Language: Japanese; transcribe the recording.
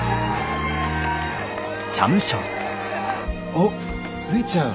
おっるいちゃん。